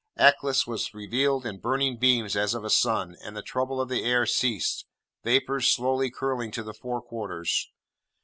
Aklis was revealed in burning beams as of a sun, and the trouble of the air ceased, vapours slowly curling to the four quarters.